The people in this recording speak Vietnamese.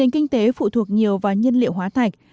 nền kinh tế phụ thuộc nhiều vào nhân liệu hóa thạch